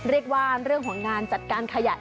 เรียกว่าเรื่องของงานจัดการขยะ